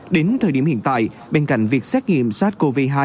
đến thời điểm hiện tại bên cạnh việc xét nghiệm sars cov hai